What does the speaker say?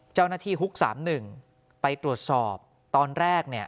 เจ้าหน้าที่ฮุกสามหนึ่งไปตรวจสอบตอนแรกเนี่ย